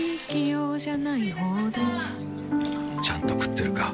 ちゃんと食ってるか？